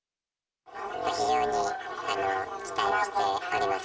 非常に期待しております。